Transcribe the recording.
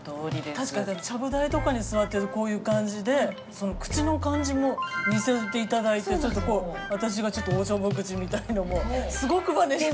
確かにちゃぶ台とかに座ってるとこういう感じで口の感じも似せて頂いてちょっとこう私がちょっとおちょぼ口みたいのもすごくまねして。